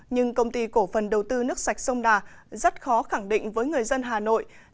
nhưng công ty cổ phần đầu tư nước sạch sông đà rất khó khẳng định với người dân hà nội